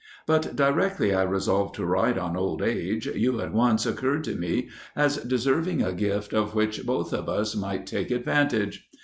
But directly I resolved to write on old age, you at once occurred to me as deserving a gift of which both of us might take advantage.